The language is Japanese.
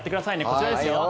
こちらですよ。